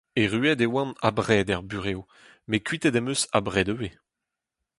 Erruet e oan abred er burev, met kuitaet em eus abred ivez.